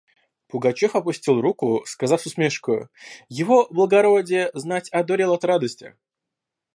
Пугачев опустил руку, сказав с усмешкою: «Его благородие, знать, одурел от радости.